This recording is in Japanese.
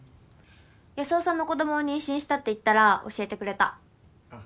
安生さんの子供を妊娠したって言ったら教えてくれた。